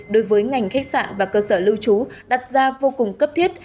đối với ngành khách sạn và cơ sở lưu trú đặt ra vô cùng cấp thiết